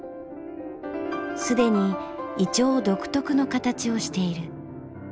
既に銀杏独特の形をしている。